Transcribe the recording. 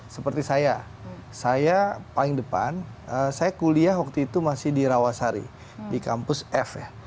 seperti saya saya paling depan saya kuliah waktu itu masih di rawasari di kampus f ya